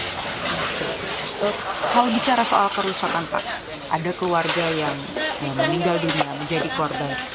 kalau bicara soal kerusakan pak ada keluarga yang meninggal dunia menjadi korban